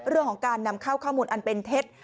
เรื่องของการนำเข้าข้อมูลอันเป็นเท็จ